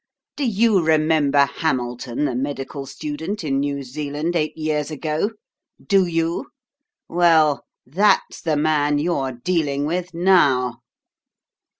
Do you remember Hamilton, the medical student, in New Zealand, eight years ago? Do you? Well, that's the man you're dealing with now!"